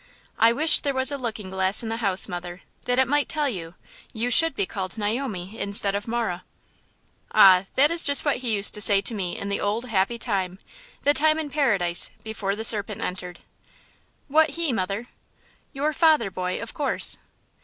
"I wish there was a looking glass in the house, mother, that it might tell you; you should be called Naomi instead of Marah." "Ah! that is just what he used to say to me in the old, happy time–the time in Paradise, before the serpent entered!" "What 'he,' mother?" "Your father, boy, of course."